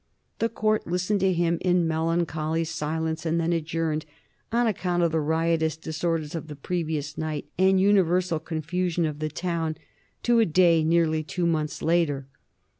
The court listened to him in melancholy silence and then adjourned, "on account of the riotous disorders of the previous night and universal confusion of the town," to a day nearly two months later.